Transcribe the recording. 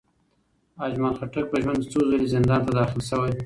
اجمل خټک په ژوند کې څو ځلې زندان ته داخل شوی.